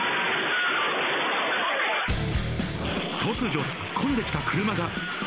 突如、ツッコんできた車が。